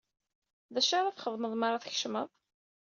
Dacu ara txedmeḍ mara tkecmeḍ?